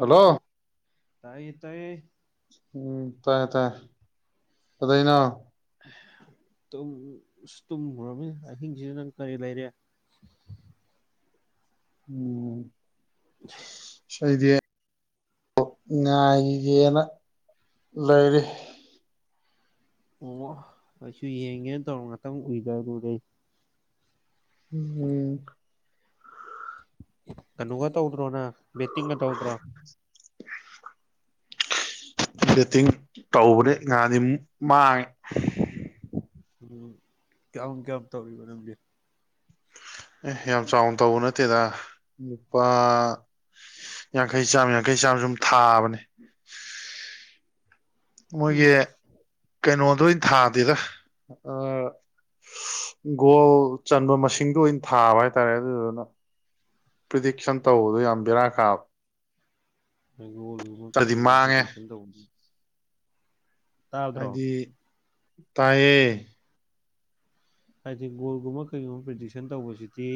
hello ꯇꯥꯏꯌꯦ ꯇꯥꯏꯌꯦ ꯎꯝ ꯇꯥꯏꯌꯦ ꯇꯥꯏꯌꯦ ꯀꯗꯩꯅꯣ [inaudible] ꯇꯨꯝ ꯑꯁ ꯇꯨꯝꯃꯨꯔꯝꯅꯤꯅꯦ ꯑꯍꯤꯡꯖꯤꯅ ꯅꯪ ꯀꯔꯤ ꯂꯩꯔꯦ ꯎꯝ [inaudible] ꯏꯁꯩꯗꯤ ꯉꯥꯏꯒꯤꯒꯦꯅ ꯂꯩꯔꯤ ꯋꯥ ꯑꯩꯁꯨ ꯌꯦꯡꯒꯦꯅ ꯇꯧꯔ ꯉꯥꯛꯇꯪ ꯎꯏꯗꯔꯨꯔꯦ ꯎꯝ ꯍꯨꯡ ꯀꯩꯅꯣꯒ ꯇꯧꯗ꯭ꯔꯣ ꯅꯪ ꯕꯦꯠꯇꯤꯡꯒ ꯇꯧꯗ꯭ꯔꯣ ꯕꯦꯠꯇꯤꯡ ꯇꯧꯕꯅꯦ ꯅꯍꯥꯟꯗꯤ ꯃꯥꯡꯉꯦ ꯎꯝ ꯀ꯭ꯌꯥꯝ ꯀ꯭ꯌꯥꯝ ꯇꯧꯔꯤꯕ ꯅꯪꯗꯤ ꯑꯦ ꯌꯥꯝ ꯆꯥꯎꯅ ꯇꯧꯕ ꯅꯠꯇꯦꯗ ꯂꯨꯄꯥ ꯌꯥꯡꯈꯩ ꯆꯥꯝꯃ ꯌꯥꯡꯈꯩ ꯆꯥꯝꯃ ꯁꯨꯝ ꯊꯥꯕꯅꯦ ꯃꯣꯏꯒꯤ ꯀꯩꯅꯣꯗ ꯑꯣꯏꯅ ꯊꯥꯗꯦꯗ ꯑ ꯒꯣꯜ ꯆꯟꯕ ꯃꯁꯤꯡꯗꯣ ꯑꯣꯏꯅ ꯊꯥꯕ ꯍꯥꯏꯇꯥꯔꯦ ꯑꯗꯨꯗꯨꯅ ꯄ꯭ꯔꯤꯗꯤꯛꯁꯟ ꯇꯧꯕꯗꯣ ꯌꯥꯝ ꯕꯦꯔꯥ ꯀꯥ ꯒꯣꯜꯒꯨꯝꯕ ꯀꯩꯒꯨꯝꯕ ꯃꯥꯡꯉꯦ ꯄ꯭ꯔꯤꯗꯤꯛꯁꯟ ꯇꯧ ꯍꯥꯏꯗꯤ ꯇꯥꯏꯌꯦ ꯍꯥꯏꯗꯤ ꯒꯣꯜꯒꯨꯝꯕ ꯀꯔꯤꯒꯨꯝꯕ ꯄ꯭ꯔꯤꯗꯤꯛꯁꯟ ꯇꯧꯕꯁꯤꯗꯤ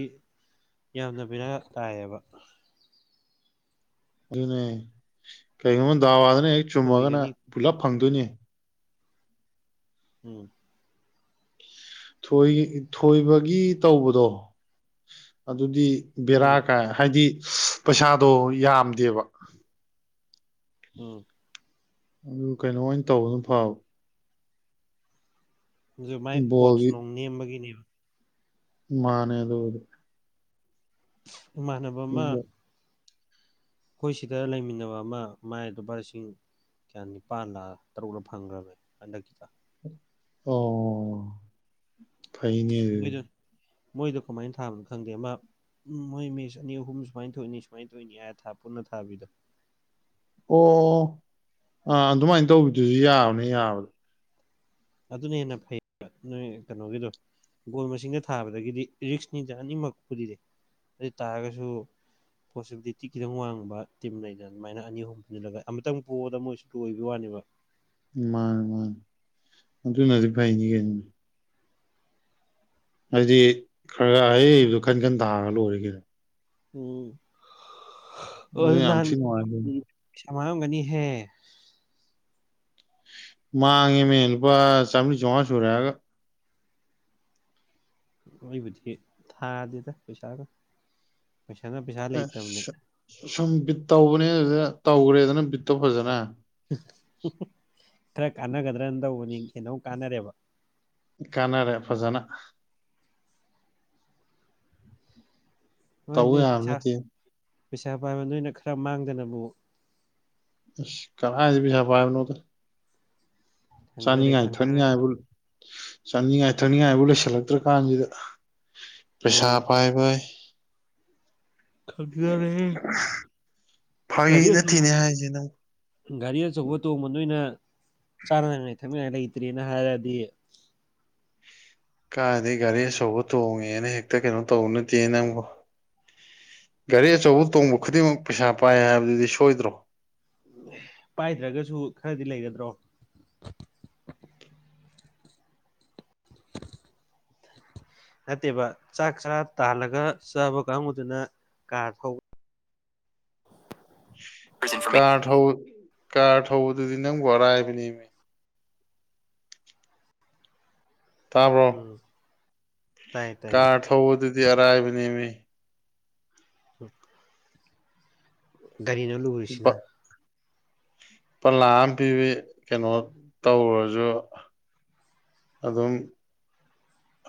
ꯌꯥꯝꯅ ꯕꯦꯔꯥ ꯇꯥꯏꯌꯦꯕ ꯑꯗꯨꯅꯦ ꯀꯔꯤꯒꯨꯝꯕ ꯗꯥꯎꯌꯥꯗꯅ ꯍꯦꯛ ꯆꯨꯝꯃꯒꯅ ꯊꯣꯏꯒꯅꯤ ꯄꯨꯜꯂꯞ ꯐꯪꯗꯣꯏꯅꯦ ꯎꯝ ꯊꯣꯏ ꯊꯣꯏꯕꯒꯤ ꯇꯧꯕꯗꯣ ꯑꯗꯨꯗꯤ ꯕꯦꯔꯥ ꯎꯝ ꯀꯥꯏ ꯍꯥꯏꯗꯤ ꯄꯩꯁꯥꯗꯣ ꯌꯥꯝꯗꯦꯕ ꯎꯝ ꯎꯝ ꯀꯩꯅꯣ ꯑꯣꯏꯅ ꯇꯧꯕꯅ ꯐꯥꯕ ꯑꯗꯨ ꯃꯥꯏ ꯑꯣꯠꯁ ꯕꯣꯜꯒꯤ ꯅꯨꯡ ꯅꯦꯝꯕꯒꯤꯅꯦꯕ ꯃꯥꯅꯦ ꯑꯗꯨꯕꯨꯗꯤ ꯏꯃꯥꯟꯅꯕ ꯑꯃ ꯑꯩꯈꯣꯏ ꯁꯤꯗ ꯂꯩꯃꯤꯟꯅꯕ ꯑꯃ ꯃꯥꯏ ꯂꯨꯄꯥ ꯂꯤꯁꯤꯡ ꯀꯌꯥ ꯅꯤꯄꯥꯟꯂ ꯇꯔꯨꯛꯂ ꯐꯪꯈ꯭ꯔꯕꯅꯦ ꯍꯟꯗꯛꯀꯤꯗ ꯑꯣ ꯐꯩꯏꯅꯦ ꯑꯗꯨꯗꯤ ꯃꯣꯏꯗꯣ ꯃꯣꯏꯗꯣ ꯀꯃꯥꯏꯅ ꯊꯥꯕꯅꯣ ꯈꯪꯗꯦ ꯑꯃ ꯎꯝ ꯃꯣꯏ ꯃꯤꯁ ꯑꯅꯤ ꯑꯍꯨꯝ ꯁꯨꯃꯥꯏꯅ ꯊꯣꯏꯅꯤ ꯁꯨꯃꯥꯏꯅ ꯊꯣꯏꯅꯤ ꯍꯥꯏꯔ ꯊꯥ ꯄꯨꯟꯅ ꯊꯥꯕꯤꯗꯣ ꯑꯣ ꯑꯥ ꯑꯗꯨꯃꯥꯏꯅ ꯇꯧꯕꯤꯗꯨꯁꯨ ꯌꯥꯕꯅꯦ ꯌꯥꯕꯅꯦ ꯑꯗꯨꯅ ꯍꯦꯟꯅ ꯐꯩ ꯍꯥꯏꯕ ꯅꯣꯏ ꯀꯅꯣꯒꯤꯗꯣ ꯒꯣꯜ ꯃꯁꯤꯡꯗ ꯊꯥꯕꯗꯒꯤꯗꯤ ꯔꯤꯛꯁꯅꯤꯗ ꯑꯅꯤꯃꯛ ꯄꯨꯗꯤ ꯑꯗꯨꯏ ꯇꯥꯔꯒꯁꯨ ꯄꯣꯖꯤꯕꯤꯂꯤꯇꯤ ꯈꯤꯇꯪ ꯋꯥꯡꯕ ꯇꯤꯝ ꯂꯩꯗꯅ ꯑꯗꯨꯃꯥꯏꯅ ꯑꯅꯤ ꯑꯍꯨꯝ ꯄꯨꯜꯂꯒ ꯑꯃꯨꯛꯇꯪ ꯄꯣꯕꯗ ꯃꯣꯏꯁꯨ ꯂꯣꯏꯕꯒꯤ ꯋꯥꯅꯤ [unintelligible] ꯃꯥꯅꯦ ꯃꯥꯅꯦ ꯑꯗꯨꯅꯗꯤ ꯐꯩꯅꯤ ꯀꯩꯅꯣ ꯍꯥꯏꯗꯤ ꯈ꯭ꯔꯒ ꯍꯥꯏꯔꯛꯏꯗꯣ ꯈꯟ ꯈꯟ ꯊꯥꯔꯒ ꯂꯣꯏꯔꯦ ꯀꯩꯅꯣ ꯎꯝ ꯑꯣꯏ ꯑꯗꯨ ꯗꯨ ꯌꯥꯝ ꯅꯍꯥꯟ ꯊꯤ ꯅꯨꯡꯉꯥꯏꯗꯣꯏꯅꯤ ꯋꯥꯔꯝꯒꯅꯤꯍꯦ ꯃꯥꯥꯡꯉꯦ ꯃꯦ ꯂꯨꯄꯥ ꯆꯥꯝꯕ꯭ꯔꯤ ꯆꯝꯉꯥ ꯁꯨꯔꯦ ꯍꯥꯏꯔꯒ ꯑꯩꯕꯨꯗꯤ ꯊꯥꯗꯦꯗ ꯄꯩꯁꯥꯒ ꯄꯩꯁꯥꯅ ꯄꯩꯁꯥ ꯑꯦ ꯂꯩꯇꯕꯅꯦ ꯁꯨꯝ ꯕꯤꯠ ꯇꯧꯕꯅꯦ ꯑꯗꯨꯗ ꯇꯧꯈ꯭ꯔꯦꯗꯅ ꯕꯤꯠꯇꯣ ꯐꯖꯅ [unintelligible] ꯈꯔ ꯀꯥꯟꯅꯒꯗ꯭ꯔꯅ ꯇꯧꯕꯅꯤ ꯀꯩꯅꯣꯝ ꯀꯥꯟꯅꯔꯦꯕ ꯀꯥꯟꯅꯔꯦ ꯐꯖꯟꯅ ꯍꯣꯏ ꯇꯧ ꯅꯣꯏ ꯌꯥꯕ ꯄꯩꯁꯥ ꯅꯠꯇꯦ ꯄꯩꯁꯥ ꯄꯥꯏꯕ ꯅꯣꯏꯅ ꯈꯔ ꯃꯥꯡꯗꯅꯕꯨ ꯑꯁ ꯀꯔꯥꯏꯗꯩ ꯄꯩꯁꯥ ꯄꯥꯏꯕꯅꯣꯗ ꯈꯪꯖꯔꯦ ꯆꯥꯅꯤꯡꯉꯥꯏ ꯈꯪꯖꯔꯦ ꯊꯛꯅꯤꯡꯉꯥꯏꯕꯨ ꯆꯥꯅꯤꯡꯉꯥꯏ ꯊꯛꯅꯤꯡꯉꯥꯏꯕꯨ ꯂꯩꯁꯜꯂꯛꯇ꯭ꯔ ꯀꯥꯟꯁꯤꯗ ꯑꯣ ꯄꯩꯁꯥ ꯄꯥꯏꯕꯌꯦ ꯈꯪꯖꯔꯦꯍꯦ ꯐꯥꯒꯤ ꯒꯥꯔꯤ ꯑꯆꯧꯕ ꯅꯠꯇꯦꯅꯦ ꯍꯥꯏꯁꯦ ꯅꯪ ꯒꯥꯔꯤ ꯑꯆꯧꯕ ꯇꯣꯡꯕ ꯅꯣꯏꯅ ꯆꯥꯅꯤꯡꯉꯥꯏ ꯊꯛꯅꯤꯡꯉꯥꯏ ꯂꯩꯇ꯭ꯔꯦꯅ ꯍꯥꯏꯔꯗꯤ ꯀꯥꯏꯗꯒꯤ ꯒꯥꯔꯤ ꯑꯆꯧꯕ ꯇꯣꯡꯉꯦꯅ ꯍꯦꯛꯇ ꯀꯩꯅꯣ ꯇꯧꯕ ꯅꯠꯇꯦꯅꯦ ꯅꯪꯕꯣ ꯒꯥꯔꯤ ꯑꯆꯧꯕ ꯇꯣꯡꯕ ꯈꯨꯗꯤꯡꯃꯛ ꯄꯩꯁꯥ ꯄꯥꯏ ꯍꯥꯏꯕꯗꯨꯗꯤ ꯁꯣꯏꯗ꯭ꯔꯣ ꯄꯥꯏꯗ꯭ꯔꯒꯁꯨ ꯈꯔꯗꯤ ꯂꯩꯒꯗ꯭ꯔꯣ ꯅꯠꯇꯦꯕ ꯆꯥꯛ ꯆꯔꯥ ꯇꯥꯜꯂꯒ ꯆꯥꯕ ꯀꯥꯡꯕꯨꯨꯗꯨꯅ ꯀꯥꯔ ꯊꯧ ꯀꯥꯔ ꯊꯧ ꯀꯥꯔ ꯊꯧꯕꯗꯨꯗꯤ ꯅꯪꯕꯨ ꯑꯔꯥꯏꯕꯅꯦꯃꯤ ꯇꯥꯕ꯭ꯔꯣ ꯎꯝ ꯇꯥꯏ ꯇꯥꯏ ꯀꯥꯔ ꯊꯧꯕꯗꯨꯗꯤ ꯑꯔꯥꯏꯕꯅꯦꯃꯤ [unintelligible] ꯀꯔꯤꯅꯣ ꯕ ꯂꯨꯔꯤꯁꯤꯅ ꯂꯨꯄꯥ ꯂꯥꯛ ꯑꯃ ꯄꯤꯕꯤ ꯀꯩꯅꯣ ꯇꯧꯔꯨꯔꯖꯨ ꯑꯗꯨꯝ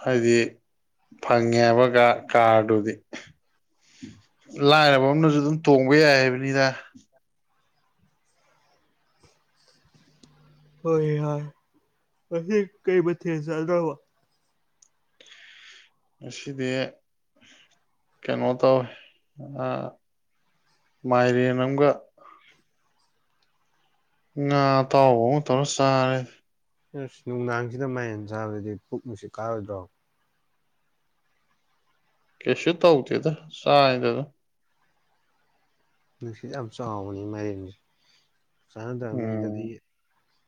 ꯍꯥꯏꯗꯤ ꯐꯪꯉꯦ ꯍꯥꯏꯕ ꯀꯥꯔꯗꯨꯗꯤ ꯂꯥꯏꯔꯕ ꯑꯃꯅꯁꯨ ꯑꯗꯨꯝ ꯇꯣꯡꯕ ꯌꯥꯏ ꯍꯥꯏꯕꯅꯤꯗ ꯍꯣꯏ ꯍ ꯉꯁꯤ ꯀꯩ ꯃꯊꯦꯜ ꯆꯥꯅꯕ ꯉꯁꯤꯗꯤ ꯀꯩꯅꯣ ꯇꯧꯋꯦ ꯑꯥ ꯃꯥꯏꯔꯦꯟ ꯑꯝꯒ ꯉꯥ ꯑꯇꯥꯎꯕ ꯑꯃꯒ ꯇꯧꯔ ꯆꯥꯔꯦ ꯑꯁ ꯅꯨꯡꯗꯥꯡꯁꯤꯗ ꯃꯥꯏꯔꯦꯟ ꯆꯥꯕꯗꯤ ꯄꯨꯛ ꯅꯨꯡꯁꯤꯠ ꯀꯥꯔꯣꯏꯗ꯭ꯔꯣ ꯀꯩꯁꯨ ꯇꯧꯗꯦꯗ ꯆꯥꯏꯗ ꯑꯗꯨꯝ ꯅꯨꯁꯤꯠ ꯌꯥꯝ ꯆꯥꯎꯕꯅꯤ ꯃꯏꯔꯦꯟꯖꯦ ꯆꯥꯟꯅꯗꯕ ꯃꯤꯗꯗꯤ ꯎꯝ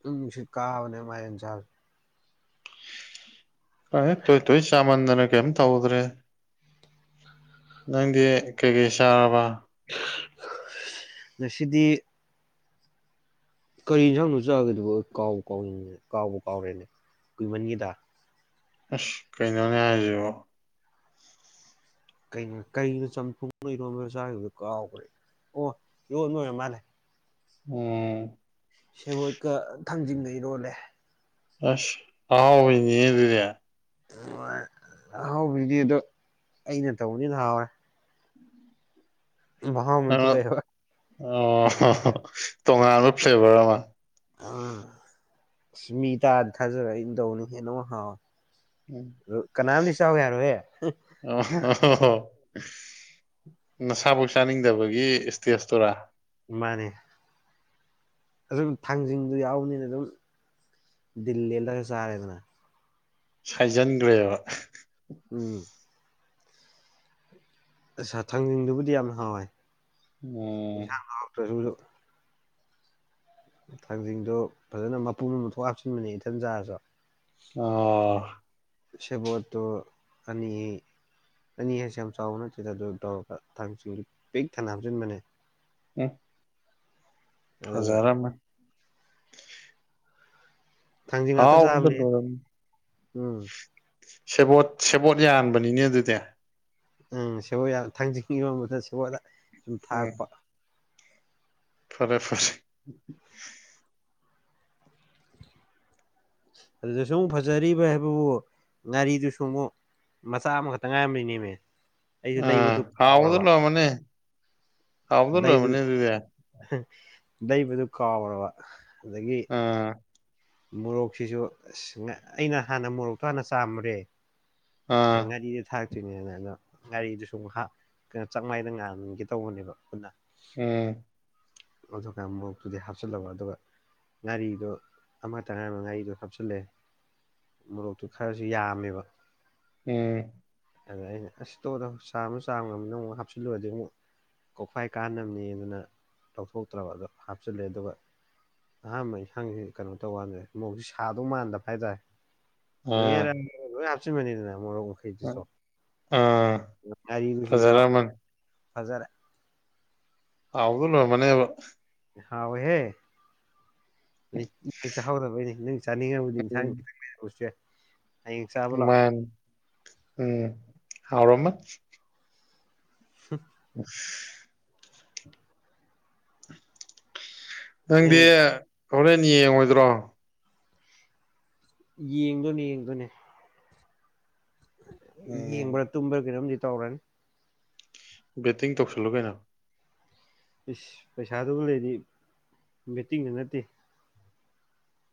ꯗꯨꯝ ꯅꯨꯡꯁꯤꯠ ꯀꯥꯕꯅꯦ ꯃꯥꯥꯏꯔꯦꯟ ꯆꯥꯕ ꯥꯈꯪꯗꯦ ꯇꯣꯏ ꯇꯣꯏ ꯆꯥꯃꯟꯗꯅ ꯀꯦꯝ ꯇꯧꯗ꯭ꯔꯦ ꯅꯪꯗꯤ ꯀꯩꯀꯩ ꯆꯥꯔꯕ [unintelligible] ꯉꯁꯤꯗꯤ ꯀꯔꯤ ꯏꯟꯖꯥꯡꯅꯣ ꯆꯥꯒꯤꯗꯨꯕ ꯑꯩꯕꯣ ꯀꯥꯎꯕꯨ ꯀꯥꯎꯔꯦ ꯀꯥꯎꯕꯨ ꯀꯥꯎꯔꯦ ꯀꯨꯏꯃꯟꯒꯤꯗ ꯑꯁ ꯀꯩꯅꯣꯅꯦ ꯍꯥꯏꯁꯤꯕꯣ ꯀꯩ ꯀꯩꯅꯣ ꯆꯝꯐꯨꯠꯄꯨ ꯏꯔꯣꯝꯕꯔ ꯆꯥꯈꯤꯕꯗꯣ ꯀꯥꯎꯒ꯭ꯔꯦ ꯑꯣ ꯏꯔꯣꯝꯕ ꯑꯣꯔꯃꯥꯜꯂꯦ ꯎꯝ ꯊꯥꯡꯖꯤꯡꯒ ꯏꯔꯣꯜꯂꯦ ꯑꯁ ꯑꯍꯥꯎꯕꯅꯤꯅꯦ ꯑꯗꯨꯗꯤ ꯑꯍꯥꯎꯕꯤꯗꯤ ꯑꯗꯣ ꯑꯩꯅ ꯇꯧꯕꯅꯤꯅ ꯍꯥꯎꯋꯦ ꯃꯍꯥꯎ ꯑꯃꯥ ꯊꯣꯔꯛꯑꯦꯔꯥ ꯑꯣꯍꯣ ꯍꯣ ꯇꯣꯉꯥꯟꯕ ꯐ꯭ꯂꯦꯚꯔ ꯑꯃ ꯑꯥ ꯑꯁ ꯃꯤ ꯇꯥꯔꯗꯤ ꯊꯥꯖꯔꯣꯏꯅ ꯑꯧꯅ ꯇꯧꯕꯅꯦꯍꯦ ꯅꯉꯣꯟ ꯍ ꯀꯅꯥꯝꯗꯤ ꯆꯥꯎ ꯌꯥꯔꯣꯏꯌꯦ [unintelligible] ꯅꯁꯥꯕꯧ ꯆꯥꯅꯤꯡꯗꯕꯒꯤ ꯁ꯭ꯇꯦꯖꯇꯨꯔꯥ ꯃꯥꯅꯤ ꯑꯗꯨꯝ ꯊꯥꯡꯖꯤꯡꯗꯨ ꯌꯥꯎꯅꯤꯅ ꯑꯗꯨꯝ ꯗꯤꯜ ꯂꯦꯜꯂꯒ ꯆꯥꯔꯦꯗꯅ ꯁꯥꯏꯖꯟꯒ꯭ꯔꯦꯕ ꯎꯝ ꯑꯁꯥ ꯊꯥꯡꯖꯤꯡꯗꯨꯕꯨꯗꯤ ꯌꯥꯝ ꯍꯥꯎꯋꯦ ꯎꯝ ꯌꯦꯟꯁꯥꯡꯗꯣꯦ ꯍꯥꯎꯇ꯭ꯔꯁꯨꯖꯨ ꯊꯥꯡꯖꯤꯡꯗꯣ ꯐꯖꯟꯅ ꯃꯄꯨꯝ ꯑꯃ ꯊꯣꯛ ꯍꯥꯞꯆꯤꯟꯕꯅꯦ ꯏꯊꯟ ꯆꯥꯔꯁꯨ ꯑꯥ ꯁꯦꯕꯣꯠꯇꯣ ꯑꯅꯤ ꯑꯅꯤ ꯍꯥꯏꯁꯦ ꯌꯥꯝ ꯆꯥꯎꯕ ꯅꯠꯇꯦꯗ ꯑꯗꯨ ꯇꯧꯔꯒ ꯊꯥꯡꯖꯤꯡ ꯄꯤꯛ ꯊꯟꯅ ꯍꯥꯞꯆꯤꯟꯕꯅꯦ [unintelligible] ꯑꯗꯨꯒ ꯐꯖꯔꯝꯃ ꯊꯥꯡꯖꯤꯡ ꯉꯥꯛꯇ ꯍꯥꯎꯕꯗ ꯆꯥꯕꯅꯦ ꯂꯣꯢꯔꯝ ꯎꯝ ꯁꯦꯕꯣꯠ ꯁꯦꯕꯣꯠ ꯌꯥꯟꯕꯅꯤꯅꯦ ꯑꯗꯨꯗꯤ ꯎꯝ ꯁꯦꯕꯣꯠ ꯌꯥꯝ ꯊꯥꯡꯖꯤꯡ ꯏꯔꯣꯝꯕꯗ ꯁꯦꯕꯣꯠ ꯁꯨꯝ ꯎꯝ ꯊꯥꯛꯄ ꯐꯔꯦ ꯐꯔꯦ ꯑꯗꯨꯗ ꯁꯨꯝ ꯐꯖꯔꯤꯕ ꯍꯥꯏꯕꯕꯨ ꯉꯥꯔꯤꯗꯨꯁꯨ ꯑꯃꯨꯛ ꯃꯆꯥ ꯑꯃꯈꯛꯇ ꯉꯥꯏꯔꯝꯃꯤꯅꯦꯃꯤ ꯑꯩꯁꯨ ꯑꯥ ꯂꯩꯕꯗꯨ ꯍꯥꯎꯕꯗ ꯀꯥꯎꯔꯕ ꯂꯣꯏꯔꯝꯃꯅꯤ ꯍꯥꯎꯕꯗ ꯂꯩꯕꯗꯤ ꯂꯣꯏꯔꯝꯃꯅꯤ ꯑꯗꯨꯗꯤ ꯍ ꯂꯩꯩꯕꯗꯨ ꯀꯥꯎꯔꯕ ꯑꯗꯒꯤ ꯑꯥ ꯃꯣꯔꯣꯛꯁꯤꯁꯨ ꯑꯁ ꯑꯩꯅ ꯍꯥꯟꯅ ꯃꯣꯔꯣꯛꯇꯣ ꯍꯥꯟꯅ ꯆꯥꯝꯃꯨꯔꯦ ꯑꯥ ꯉꯥꯔꯤꯗ ꯊꯥꯛ [unintelligible] ꯉꯥꯔꯤꯗꯨꯁꯨ ꯑꯃꯨꯛ ꯍꯥꯞ ꯆꯥꯛꯃꯥꯏꯗ ꯉꯥꯟꯒꯦ ꯇꯧꯕꯅꯦ ꯄꯨꯟꯅ ꯎꯝ ꯑꯗꯨ ꯀꯟ ꯃꯣꯔꯣꯛꯇꯨꯗꯤ ꯍꯥꯞꯆꯤꯜꯂꯕ ꯑꯗꯨꯒ ꯉꯥꯔꯤꯗꯣ ꯑꯃꯠꯇ ꯉꯥꯔꯤꯗꯣ ꯍꯥꯥꯞꯆꯤꯜꯂꯦ ꯃꯣꯔꯣꯛꯇꯨ ꯈꯔꯁꯨ ꯌꯥꯝꯃꯦꯕ ꯎꯝ ꯑꯗ ꯑꯩꯅ ꯑꯁ ꯇꯣꯛꯑꯣꯗ ꯆꯥꯝꯃ ꯆꯥꯝꯒ꯭ꯔꯝꯅꯤꯅ ꯑꯃꯨꯛ ꯍꯥꯞꯆꯤꯜꯂꯨꯔꯗꯤ ꯑꯃꯨꯛ ꯀꯣꯛꯐꯥꯏ ꯀꯥꯟꯅꯕꯅꯦ ꯑꯗꯨꯅ ꯂꯧꯊꯣꯛꯇ꯭ꯔꯕ ꯑꯗꯣ ꯍꯥꯞꯆꯜꯂꯦ ꯑꯗꯨꯒ ꯑꯍꯥꯟꯕ ꯏꯟꯁꯥꯡꯁꯦ ꯀꯩꯅꯣ ꯇꯧꯀꯥꯟꯖꯦ ꯃꯣꯛ ꯁꯥꯗꯧ ꯃꯥꯟꯗꯕ ꯍꯥꯏꯇꯥꯔꯦ ꯑꯥ ꯑꯦꯔꯥ ꯂꯣꯏ ꯍꯥꯞꯆꯟꯕꯅꯤꯗꯅ ꯃꯣꯔꯣꯛ ꯃꯈꯩꯗꯨꯁꯨ ꯑꯥ ꯉꯔꯤꯗꯨꯁꯨ ꯌꯥꯎ ꯐꯖꯔꯝꯃꯅꯤ ꯐꯖꯔꯦ ꯍꯥꯎꯕꯅ ꯂꯣꯏꯔꯝꯃꯅꯦꯕ ꯍꯥꯎꯋꯦꯍꯦ ꯅ ꯏ ꯆꯥꯍꯧꯗꯕꯒꯤꯅꯦ ꯅꯣꯏ ꯆꯥꯅꯤꯡꯉꯕꯗꯤ ꯏꯟꯁꯥꯡ ꯎꯁꯦ ꯃꯟꯅꯦ ꯎꯝ ꯍꯎꯔꯝꯃꯅꯤ ꯍꯨꯝ ꯎꯁ ꯅꯪꯗꯤ ꯅꯣꯏ ꯍꯣꯔꯦꯟ ꯌꯦꯡꯉꯣꯏꯗ꯭ꯔꯣ ꯌꯦꯡꯗꯣꯏꯅꯦ ꯌꯦꯡꯗꯣꯏꯅꯦ ꯌꯦꯡꯕ꯭ꯔꯥ ꯎꯝ ꯇꯨꯝꯕ꯭ꯔꯥ ꯀꯩꯅꯣꯝꯗꯤ ꯇꯧꯔꯅꯤ ꯕꯦꯠꯇꯤꯡ ꯇꯧꯁꯜꯂꯨ ꯀꯩꯅꯣ ꯏꯁ ꯄꯩꯁꯥꯗꯨꯕꯨ ꯂꯩꯔꯗꯤ ꯕꯦꯠꯇꯤꯡꯗ ꯅꯠꯇꯦ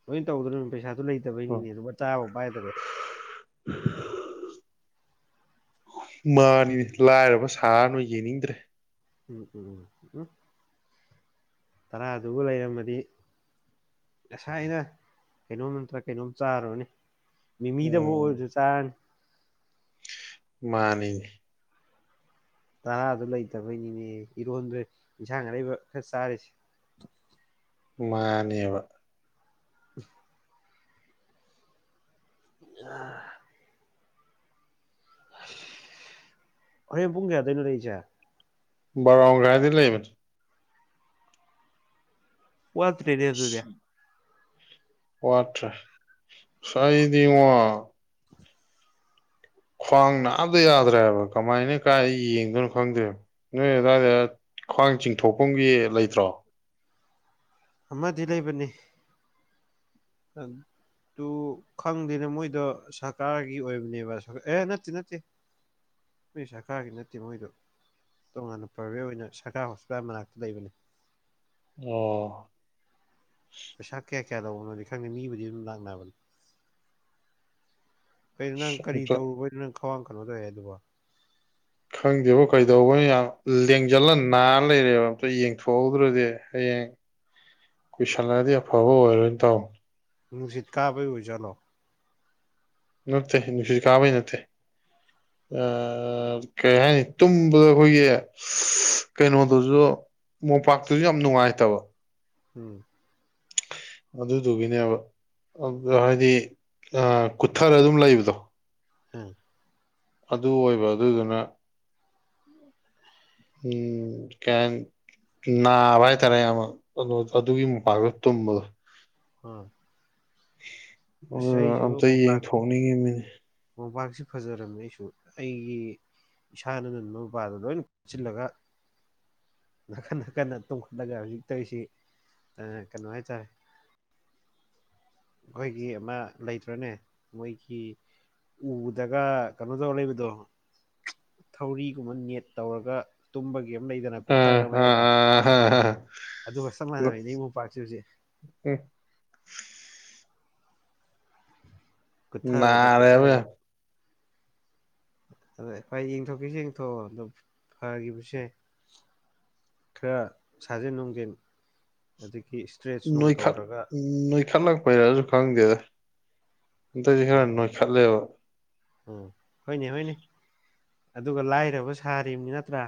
ꯂꯣꯏ ꯇꯧꯗ꯭ꯔꯨꯔꯤꯅꯦ ꯄꯩꯁꯥꯗꯨ ꯑꯣ ꯂꯩꯇꯕꯩꯅꯤꯅꯦ ꯂꯨꯄ ꯇꯔꯥꯐꯎ ꯄꯥꯏꯗ꯭ꯔꯦ ꯃꯥꯅꯤꯅꯦ ꯂꯥꯏꯔꯕ ꯁꯥꯔꯅꯣ ꯌꯦꯡꯅꯤꯡꯗ꯭ꯔꯦ ꯎꯝ ꯎꯝ ꯎꯝ ꯎꯝ ꯇꯔꯥꯗꯨꯕꯨ ꯂꯩꯔꯝꯃꯗꯤ ꯉꯁꯥꯏꯅ ꯀꯩꯅꯣꯝ ꯅꯠꯇ꯭ꯔ ꯀꯩꯅꯣꯝ ꯆꯥꯔꯨꯔꯅꯤ ꯃꯤꯃꯤꯗꯕꯨ ꯎꯝ ꯑꯣꯏꯔꯁꯨ ꯆꯥꯔꯅꯤ ꯃꯥꯅꯤꯅꯦ ꯇꯔꯥꯗꯨ ꯂꯩꯇꯕꯩꯅꯤꯅꯦ ꯏꯔꯣꯟꯗ꯭ꯔꯦ ꯏꯟꯁꯥꯡ ꯑꯔꯩꯕ ꯈꯔ ꯆꯥꯔꯤꯁꯦ ꯃꯥꯅꯦꯕ [inaudible] ꯑꯥ ꯑꯁ ꯍꯣꯔꯦꯟ ꯄꯨꯡ ꯀꯌꯥꯗꯩꯅꯣ ꯂꯩꯔꯤꯁꯦ ꯕꯂꯣ ꯃꯈꯥꯏꯗꯩ ꯂꯩꯕꯅꯦ ꯋꯥꯠꯇ꯭ꯔꯦꯅꯦ ꯑꯗꯨꯗꯤ ꯋꯥꯠꯇ꯭ꯔꯦ ꯑꯁ ꯑꯩꯗꯤꯉꯣ ꯈ꯭ꯋꯥꯡ ꯅꯥꯕꯗ ꯌꯥꯗ꯭ꯔꯦꯕ ꯀꯃꯥꯏꯅ ꯀꯥꯏ ꯌꯦꯡꯗꯣꯏꯅꯣ ꯈꯪꯗꯦꯕ ꯅꯣꯏ ꯑꯗꯨꯋꯥꯏꯗ ꯈ꯭ꯋꯥꯡ ꯆꯤꯡꯊꯣꯛꯐꯝꯒꯤ ꯂꯩꯇ꯭ꯔꯣ ꯑꯃꯗꯤ ꯂꯩꯕꯅꯦ ꯎꯝ ꯇꯨ ꯈꯪꯗꯦꯅ ꯃꯣꯏꯗꯣ ꯁꯔꯀꯥꯔꯒꯤ ꯑꯣꯏꯕꯅꯦꯕ ꯑꯦ ꯅꯠꯇꯦ ꯅꯠꯇꯦ ꯃꯣꯏ ꯁꯔꯀꯔꯒꯤ ꯅꯠꯇꯦ ꯃꯣꯏꯗꯣ ꯇꯉꯥꯟꯅ ꯄ꯭ꯔꯣꯕꯦꯠ ꯑꯣꯏꯅ ꯁꯔꯀꯥꯔ ꯍꯣꯁꯄꯤꯇꯥꯜ ꯃꯅꯥꯛꯇ ꯂꯩꯕꯅꯦ ꯑꯣ ꯄꯩꯁꯥ ꯀꯌꯥ ꯀꯌꯥ ꯂꯧꯕꯅꯣꯗꯤ ꯈꯪꯗꯦ ꯃꯤꯕꯨꯗꯤ ꯑꯗꯨꯝ ꯂꯥꯛꯅꯕꯅꯤ ꯑꯩꯩꯅꯣ ꯅꯪ ꯀꯔꯤ ꯑꯝꯇ ꯇꯧꯔꯨꯕꯩꯗꯣ ꯅꯪ ꯈ꯭ꯋꯥꯡ ꯀꯩꯅꯣ ꯇꯧꯋꯦ ꯍꯥꯏꯗꯨꯕꯨ ꯈꯪꯗꯦꯕꯣ ꯀꯩꯗꯧꯕꯅꯣ ꯌꯥꯝ ꯂꯦꯡꯖꯜꯂ ꯅꯥꯔ ꯂꯩꯔꯦꯕ ꯑꯝꯇ ꯌꯦꯡꯊꯣꯛꯍꯧꯗ꯭ꯔꯗꯤ ꯑꯩ ꯍꯌꯦꯡ ꯀꯨꯏꯁꯜꯂꯛꯑꯗꯤ ꯑꯐꯕ ꯑꯣꯏꯔꯣꯏ ꯇꯧꯕꯅꯦ ꯅꯨꯡꯁꯤꯠ ꯀꯥꯕꯩ ꯑꯣꯏꯖꯥꯠꯂꯣ ꯅꯠꯇꯦ ꯅꯨꯡꯁꯤꯠ ꯀꯥꯕꯩ ꯅꯠꯇꯦ ꯑꯥ ꯀꯩ ꯍꯥꯏꯅꯤ ꯇꯨꯝꯕꯗ ꯑꯈꯣꯏꯒꯤ ꯀꯩꯅꯣꯗꯨꯖꯨ ꯃꯣꯝꯄꯥꯛꯇꯨꯖꯨ ꯌꯥꯝ ꯅꯨꯡꯉꯥꯏꯇꯕ ꯎꯝ ꯑꯗꯨꯗꯨꯒꯤꯅꯦꯕ ꯍꯥꯏꯗꯤ ꯑꯥ ꯀꯨꯊꯔ ꯑꯗꯨꯝ ꯂꯩꯕꯗꯣ ꯎꯝ ꯑꯗꯨ ꯑꯣꯏꯕ ꯑꯗꯨꯗꯨꯅ ꯎꯝ ꯀꯩ ꯍꯥꯏꯅꯤ ꯅꯥꯕ ꯍꯥꯏꯇꯥꯔꯦ ꯌꯥꯝꯅ ꯀꯅꯣꯗꯣ ꯑꯗꯨꯒꯤ ꯃꯣꯝꯄꯥꯛꯇꯨꯗ ꯇꯨꯝꯕꯗꯣ ꯑꯥ ꯑꯁ ꯑꯩꯁꯨ ꯑꯝꯇ ꯌꯦꯡꯊꯣꯛꯅꯤꯡꯉꯤꯝꯅꯤꯅꯦ ꯃꯣꯝꯄꯥꯛꯁꯦ ꯐꯖꯔꯝꯃꯦ ꯑꯩꯁꯨ ꯑꯩꯒꯤ ꯏꯁꯥꯅꯒ ꯅꯣꯕꯥꯏꯜ ꯂꯣꯏꯅ ꯀꯨꯞꯆꯤꯜꯂꯒ ꯅꯥꯀꯟ ꯅꯥꯀꯟꯗ ꯇꯣꯡꯈꯠꯂꯒ ꯍꯧꯖꯤꯛ ꯇꯧꯌꯤꯁꯤ ꯑꯗꯨꯅꯦ ꯀꯅꯣ ꯍꯥꯏꯇꯥꯔꯦ ꯈꯣꯏꯒꯤ ꯑꯃ ꯂꯩꯇ꯭ꯔꯅꯦ ꯃꯣꯏꯒꯤ ꯎꯗꯒ ꯀꯅꯣ ꯗꯧꯔ ꯂꯩꯕꯗꯣ ꯊꯧꯔꯤꯒꯨꯝꯕ ꯅꯦꯠ ꯇꯧꯔꯒ ꯇꯨꯝꯕꯒꯤ ꯑꯃ ꯂꯩꯗꯅ ꯑꯥ ꯀꯨꯠꯊꯔꯒ ꯑꯥ ꯃꯌꯥꯏꯗ ꯑꯥ ꯍꯥ ꯍꯥ ꯑꯗꯨꯒ ꯆꯞ ꯃꯥꯟꯅꯕꯤꯅꯦ ꯑꯩ ꯃꯣꯝꯄꯥꯛꯁꯦ ꯍꯧꯖꯤꯛ ꯀꯨꯠꯊꯕꯗ ꯅꯥꯔꯦꯕ ꯀꯨꯠꯊꯕꯗ ꯑꯗ ꯍꯣꯏ ꯌꯦꯡꯊꯣꯛꯀꯦꯖꯨ ꯌꯦꯡꯊꯣꯛꯑꯣ ꯑꯗꯣ ꯐꯒꯤꯕꯁꯨ ꯌꯥꯏ ꯈꯔ ꯁꯥꯖꯦꯟ ꯅꯨꯡꯖꯦꯟ ꯍꯧꯖꯤꯛ ꯅꯣꯏꯈꯠ ꯅꯣꯏꯈꯠꯂꯛꯄꯩꯔꯖꯨ ꯈꯪꯗꯦꯗꯥ ꯍꯟꯇꯛꯇꯤ ꯈꯔ ꯎꯝ ꯅꯣꯏꯈꯠꯂꯦꯕ ꯎꯝ ꯍꯣꯏꯅꯦ ꯍꯣꯏꯅꯦ ꯑꯗꯨꯒ ꯂꯥꯏꯔꯕ ꯁꯥꯔꯤꯝꯅꯤ ꯅꯠꯇ꯭ꯔꯥ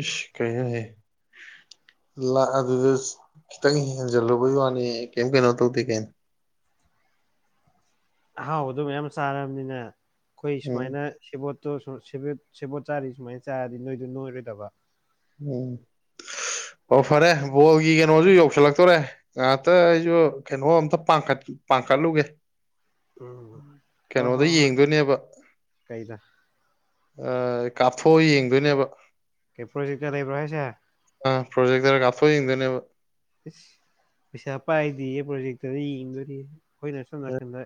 ꯏꯁ ꯀꯩꯅꯣꯍꯦ ꯂꯥ ꯑꯗꯨꯗ ꯈꯤꯇꯪ ꯍꯦꯟꯖꯜꯂꯨꯕꯩ ꯋꯥꯅꯤ ꯀꯩꯝ ꯀꯩꯅꯣ ꯇꯧꯗꯦ ꯀꯩꯅꯣ ꯑꯍꯥꯎꯕꯗꯣ ꯃꯌꯥꯝ ꯆꯥꯔꯝꯅꯤꯅ ꯑꯈꯣꯏ ꯎꯝ ꯁꯨꯃꯥꯏꯅ ꯁꯦꯕꯣꯠ ꯇꯣ ꯁꯣ ꯁꯦꯕꯦꯠ ꯁꯦꯕꯣꯠ ꯆꯥꯔꯤ ꯁꯨꯃꯥꯏꯅ ꯆꯥꯔꯗꯤ ꯅꯣꯏꯖꯨ ꯅꯣꯏꯔꯣꯏꯗꯕ ꯎꯝ ꯑꯣ ꯐꯔꯦ ꯕꯣꯜꯒꯤ ꯀꯩꯅꯣꯖꯨ ꯌꯧꯁꯜꯂꯛꯇꯣꯔꯦ ꯉꯥꯏꯍꯥꯛꯇ ꯑꯩꯖꯨ ꯀꯩꯅꯣ ꯑꯝꯇ ꯄꯥꯡꯈꯠ ꯄꯥꯡꯈꯠꯂꯨꯒꯦ ꯎꯝ ꯍꯣꯏ ꯀꯩꯅꯣꯗ ꯍꯣꯏ ꯍꯣꯏ ꯌꯦꯡꯗꯣꯏꯅꯦꯕ ꯀꯩꯗ ꯑꯥ ꯀꯥꯞꯊꯣꯛꯑ ꯌꯦꯡꯗꯣꯏꯅꯦꯕ ꯑꯦ ꯄ꯭ꯔꯣꯖꯦꯛꯇꯔ ꯂꯩꯕ꯭ꯔꯣ ꯍꯥꯏꯁꯦ ꯑꯩꯈꯣꯏ ꯌꯦꯡꯗꯣꯏꯅꯦꯕ ꯏꯁ ꯄꯩꯁꯥ ꯄꯥꯏꯗꯦꯌꯦ ꯄ꯭ꯔꯣꯖꯦꯛꯇꯔꯗ ꯌꯦꯡꯗꯣꯔꯤꯌꯦ ꯑꯈꯣꯏꯅ ꯁꯣꯝ ꯅꯥꯀꯟꯗ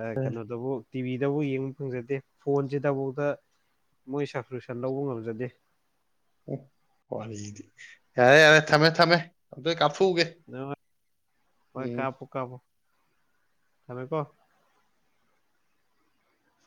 ꯑꯥ ꯀꯅꯣꯗꯕꯨ ꯇꯤꯚꯤꯗꯕꯨ ꯌꯦꯡꯕ ꯐꯪꯖꯗꯦ ꯐꯣꯟꯁꯤꯗꯕꯣꯛꯇ ꯃꯣꯏ ꯁꯞꯁꯀ꯭ꯔꯤꯞꯁꯟ ꯂꯧꯕ ꯉꯝꯖꯗꯦ ꯍꯦ ꯋꯥꯔꯤꯗꯤ ꯌꯥꯔꯦ ꯌꯥꯔꯦ ꯊꯝꯃꯦ ꯊꯝꯃꯦ ꯑꯗꯨꯏ ꯀꯥꯞ ꯅꯣ ꯍꯣꯏ ꯀꯥꯞꯄꯣ ꯀꯥꯞꯄꯣ ꯊꯝꯃꯦꯀꯣ